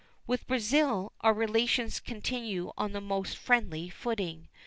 With Brazil our relations continue on the most friendly footing.